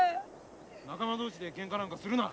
仲間同士でけんかなんかするな。